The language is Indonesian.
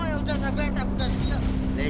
oh iya udah sabar nggak buka